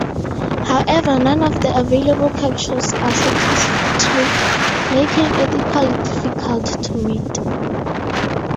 However, none of the available captures are satisfactory, making it equally difficult to meet.